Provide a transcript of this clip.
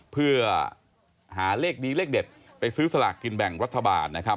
เพื่อหาเลขดีเลขเด็ดไปซื้อสลากกินแบ่งรัฐบาลนะครับ